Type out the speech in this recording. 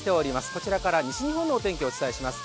こちらから西日本の天気をお伝えします。